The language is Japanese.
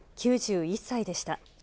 ９１歳でした。